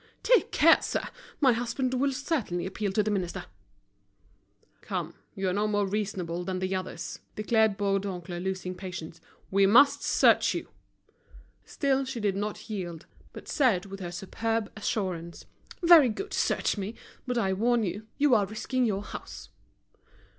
"Take care, sir, my husband will certainly appeal to the Minister." "Come, you are not more reasonable than the others," declared Bourdoncle, losing patience. "We must search you." Still she did not yield, but said with her superb assurance, "Very good, search me. But I warn you, you are risking your house."